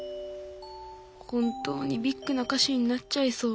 本当にビッグな歌手になっちゃいそう。